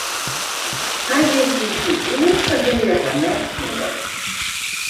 Hy is yn syn earste leagen net smoard.